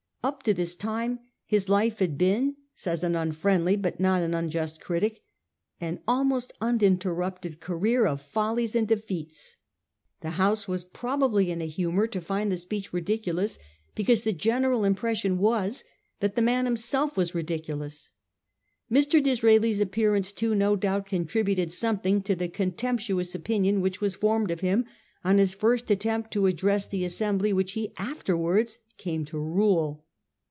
Up to this time his life had been, says an unfriendly but not an unjust critic , 1 an almost uninterrupted career of follies and defeats.' The House was probably in a humour to find the speech ridiculous because the general impression was that the man himself was ridiculous. Mr. Disraeli's appearance, too, no doubt, contributed something to the contemptuous opinion which was formed of him on his first attempt to address the assembly which he afterwards came to rule.